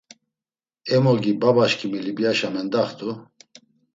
Emogi babaşǩimi Libyaşa mendaxt̆u.